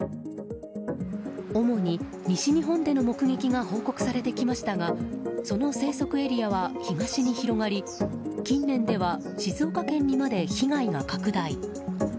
主に西日本での目撃が報告されてきましたがその生息エリアは東に広がり近年では静岡県にまで被害が拡大。